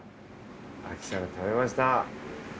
亜希さんが食べました。